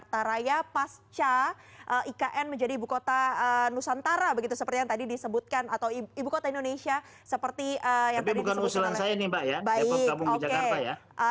tapi bukan usulan saya nih pak ya depok gabung jakarta ya